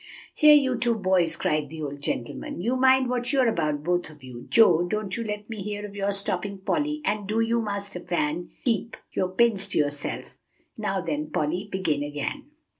"Here, you two boys," cried the old gentleman, "you mind what you're about, both of you. Joe, don't you let me hear of your stopping Polly; and do you, master Van, keep your pins to yourself. Now, then, Polly, begin again."